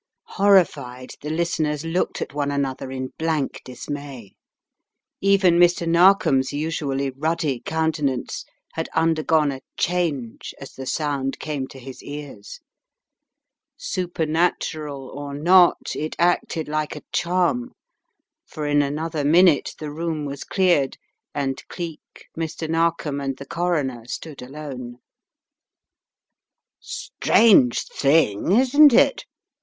Horrified, the listeners looked at one another in blank dismay. Even Mr. Narkom's usually ruddy countenance had undergone a change as the sound came to his ears. Supernatural or not it acted like a charm, for in another minute the room was cleared and Cleek, Mr. Narkom and the Coroner stood alone. "Strange thing, isn't it?"